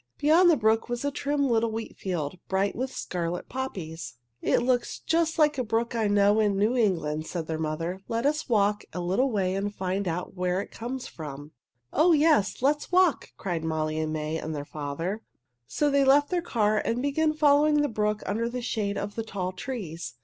Beyond the brook was a trim little wheat field, bright with scarlet poppies. [Illustration: Beyond the brook was a wheat field bright with poppies] "It looks just like a brook I know in New England," said their mother. "Let us walk a little way and find out where it comes from." "Oh, yes! Let's walk!" cried Molly and May and their father. So they left their car and began following the brook under the shade of the tall trees.